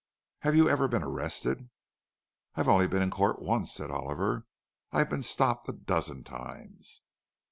"Have you ever been arrested?" "I've only been in court once," said Oliver. "I've been stopped a dozen times."